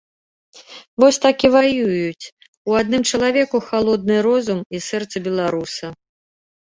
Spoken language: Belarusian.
Вось так і ваююць у адным чалавеку халодны розум і сэрца беларуса.